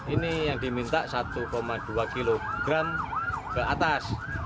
ini yang diminta satu dua kg ke atas